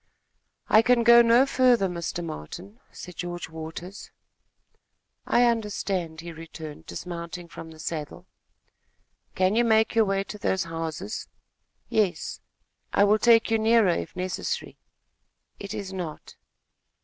"I can go no further, Mr. Martin," said George Waters. "I understand," he returned, dismounting from the saddle. "Can you make your way to those houses?" "Yes." "I will take you nearer, if necessary." "It is not."